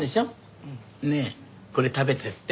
ねえこれ食べてって。